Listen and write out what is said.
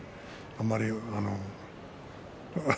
あまり。